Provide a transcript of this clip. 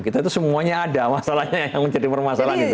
kita itu semuanya ada masalahnya yang menjadi permasalahan itu